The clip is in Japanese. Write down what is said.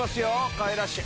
かわいらしい。